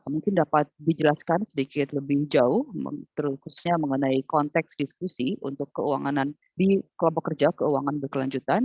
mungkin dapat dijelaskan sedikit lebih jauh khususnya mengenai konteks diskusi untuk keuangan di kelompok kerja keuangan berkelanjutan